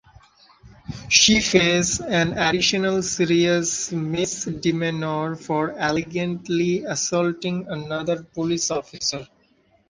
She face an additional serious misdemeanor for allegedly assaulting another police officer.